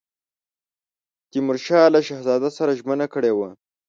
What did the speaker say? تیمورشاه له شهزاده سره ژمنه کړې وه.